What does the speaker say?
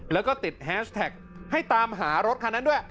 แล้วก็ติดแฮชแท็กให้ตามหารถคันนั้นด้วย